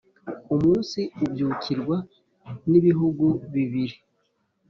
umunsi ubyukirwa n’ibihugu bibiri,